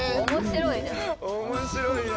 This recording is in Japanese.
面白いね。